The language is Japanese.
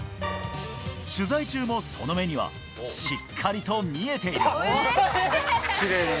取材中もその目にはしっかりと見えている。